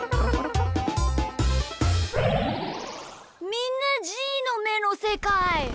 みんなじーのめのせかい。